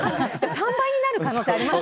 ３倍になる可能性ありますね。